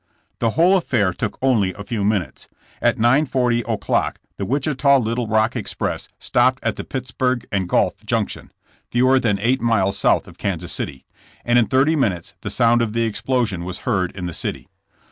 The whole affair took only a few minutes. At 9:40 o'clock the Wichita Little Rock express stopped TH« I.BKDS HOLD UP. 113 at the Pittsburgh & Gulf junction, fewer than eight miles south of Kansas City, and in thirty minutes the sound of the explosion was heard in the city.